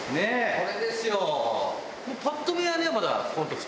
これですよ！